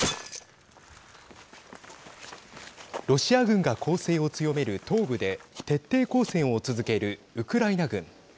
ロシア軍が攻勢を強める東部で徹底抗戦を続けるウクライナ軍。